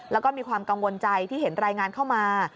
แล้วก็มีความกังวลใจที่เห็นรายงานเข้ามา